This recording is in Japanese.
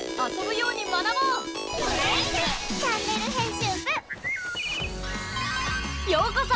ようこそ！